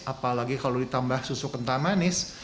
apalagi kalau ditambah susu kental manis